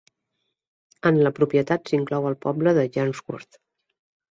En la propietat, s'inclou el poble de Yanworth.